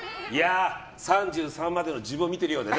３３までの自分を見ているようでね。